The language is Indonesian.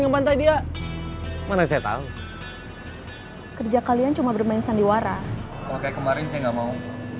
yang pantai dia mana saya tahu kerja kalian cuma bermain sandiwara kalau kayak kemarin saya nggak mau